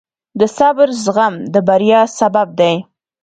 د صبر زغم د بریا سبب دی.